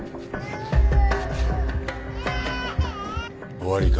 ・終わりか？